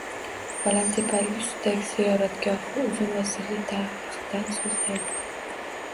Baland tepalik ustidagi ziyoratgohi uzun va sirli tarixdan so‘zlaydi.